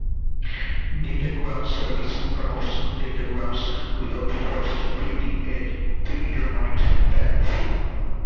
Datagram service routes datagrams without first creating a predetermined path.